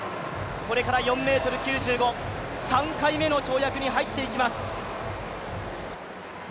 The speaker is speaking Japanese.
これから４ｍ９５ｃｍ、３回目の跳躍に入っていきます。